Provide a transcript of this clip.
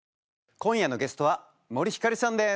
今夜のゲストは森星さんです。